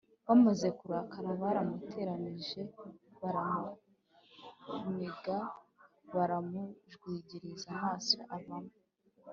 Bamaze kurakara baramuteraniye baramuniga baramujwigiriza amaso avamo